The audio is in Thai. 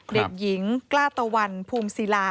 เด็กหญิงกล้าตะวันภูมิศิลา